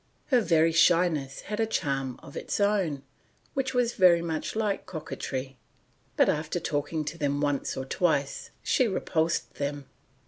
Her very shyness had a charm of its own, which was very much like coquetry; but after talking to them once or twice she repulsed them.